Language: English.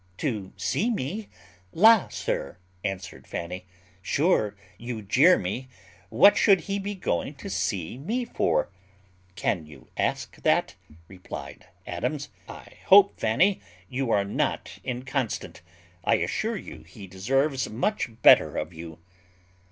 "To see me! La, sir," answered Fanny, "sure you jeer me; what should he be going to see me for?" "Can you ask that?" replied Adams. "I hope, Fanny, you are not inconstant; I assure you he deserves much better of you."